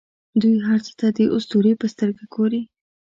دوی هر څه ته د اسطورې په سترګه ګوري.